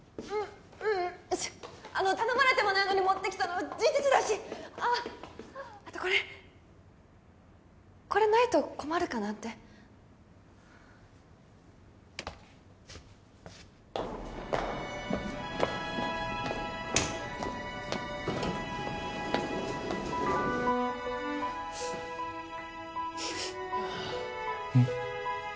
ううんあの頼まれてもないのに持ってきたのは事実だしあっあとこれこれないと困るかなってうん？